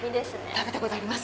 食べたことあります。